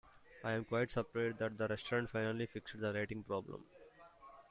I am quite surprised that the restaurant finally fixed the lighting problem.